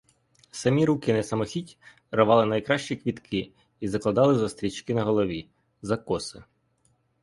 Самі руки несамохіть рвали найкращі квітки й закладали за стрічки на голові, за коси.